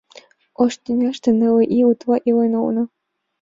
Ош тӱняште нылле ий утла илен улына.